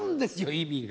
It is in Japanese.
意味が。